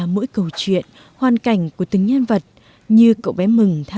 một chân đáy đá một chân đáy nhà